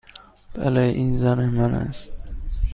بله. این زن من است.